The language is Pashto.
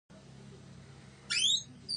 د نجونو د زده کړې حق د اعتراض یوه مهمه بیلګه ده.